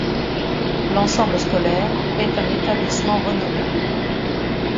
L'ensemble scolaire est un établissement renommé.